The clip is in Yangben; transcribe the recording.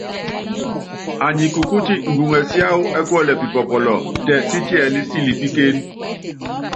Anyi kukúti imbuŋɛ siáwɔ ɛ́ kuɛlɛ pipɔpɔlɔ, tɛɛ sítiɛlí silipíkéne.